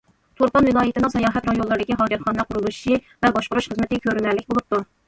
تۇرپان ۋىلايىتىنىڭ ساياھەت رايونلىرىدىكى ھاجەتخانا قۇرۇلۇشى ۋە باشقۇرۇش خىزمىتى كۆرۈنەرلىك بولۇپتۇ.